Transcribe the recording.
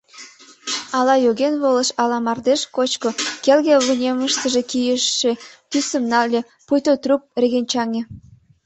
Ала йоген волыш, ала мардеж кочко — келге вынемыште кийыше тӱсым нале, пуйто трук регенчаҥе.